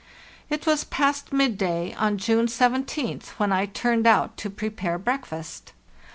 "It was past midday on June 17th when I turned out to prepare breakfast.